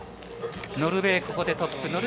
ノルウェー、ここでトップ。